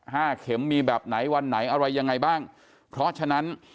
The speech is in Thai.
เข็มมีแบบไหนวันไหนอะไรยังไงบ้างเพราะฉะนั้น